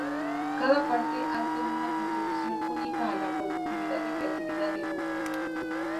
Cada parte hace una contribución única a la productividad y creatividad del conjunto.